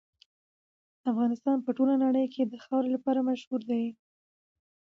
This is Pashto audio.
افغانستان په ټوله نړۍ کې د خاورې لپاره مشهور دی.